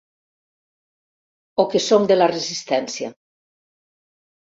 O que som de la Resistència.